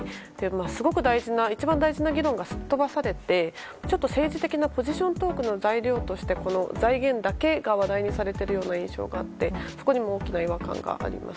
すごく大事な一番大事な議論がすっ飛ばされてちょっと政治的なポジショントークの材料としてこの財源だけが話題にされている印象があってそこにも大きな違和感があります。